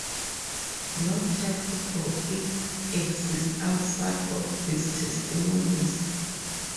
No text for it exists outside of these testimonies.